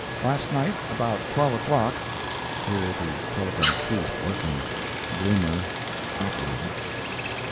Last night, about 12 o'clock—[here the telegraph ceased working. BLOOMER, operator.